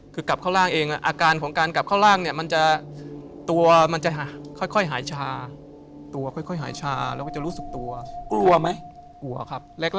คืออะไรครับ